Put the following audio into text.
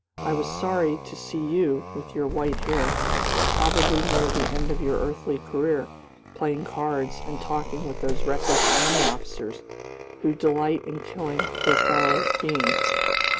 I was sorry to see you, with your white hair, probably near the end of your earthly career, playing cards and talking with those reckless army officers, who delight in killing their fellow beings.